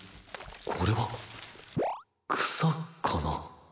これは草かな？